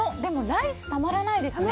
ライスたまらないですね。